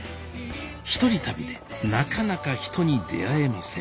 ひとり旅でなかなか人に出会えません